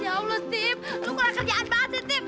ya allah steve lu kurang kerjaan banget sih steve